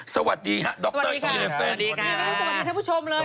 สวัสดีค่ะดรเยฟนสวัสดีค่ะสวัสดีค่ะสวัสดีค่ะสวัสดีค่ะสวัสดีค่ะ